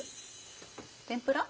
天ぷら？